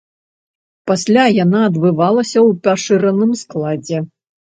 Пасля яна адбывалася ў пашыраным складзе.